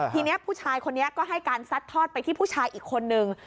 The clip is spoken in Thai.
ทีนี้ผู้ชายคนนี้ก็ให้การซัดทอดไปที่ผู้ชายอีกคนนึง